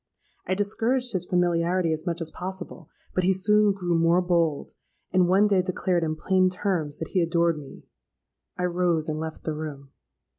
I discouraged his familiarity as much as possible; but he soon grew more bold, and one day declared in plain terms that he adored me. I rose and left the room.